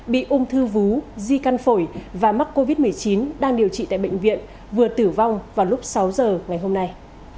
bị ung thư vú di căn phổi và mắc covid một mươi chín đang điều trị tại bệnh viện vừa tử vong vào lúc sáu giờ ngày hôm nay